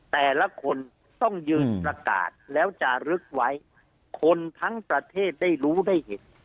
แต่ละคนต้องยืนประกาศแล้วจะลึกไว้คนทั้งประเทศได้รู้ได้เห็น